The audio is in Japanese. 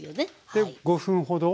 で５分ほど。